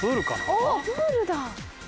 おっプールだ！